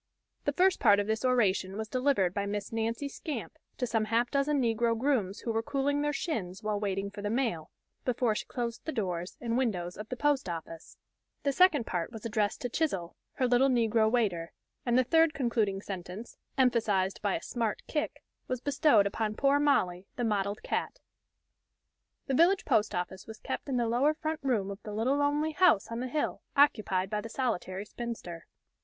The first part of this oration was delivered by Miss Nancy Skamp, to some half dozen negro grooms who were cooling their shins while waiting for the mail, before she closed the doors and windows of the post office; the second part was addressed to Chizzle, her little negro waiter and the third concluding sentence, emphasized by a smart kick, was bestowed upon poor Molly, the mottled cat. The village post office was kept in the lower front room of the little lonely house on the hill, occupied by the solitary spinster.